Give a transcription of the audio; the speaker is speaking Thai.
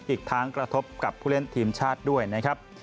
อีกทั้งกระทบกับผู้เล่นทีมชาติด้วยนะครับ